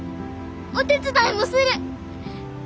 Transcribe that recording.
お手伝いもする！